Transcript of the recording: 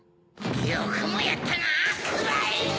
・よくもやったなくらえ！